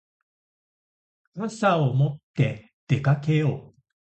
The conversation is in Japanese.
傘を持って出かけよう。